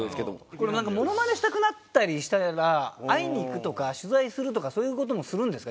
このなんかモノマネしたくなったりしたら会いに行くとか取材するとかそういう事もするんですか？